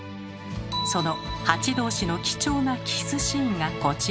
そのハチ同士の貴重なキスシーンがこちら。